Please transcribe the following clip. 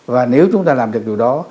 và nếu chúng ta làm được điều đó